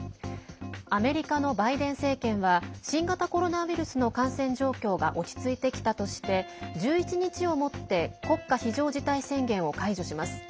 アメリカのバイデン政権は新型コロナウイルスの感染状況が落ち着いてきたとして１１日をもって国家非常事態宣言を解除します。